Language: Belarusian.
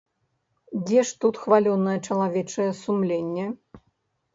Дзе ж тут хвалёнае чалавечае сумленне?